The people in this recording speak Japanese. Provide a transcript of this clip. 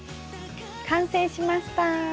完成しました！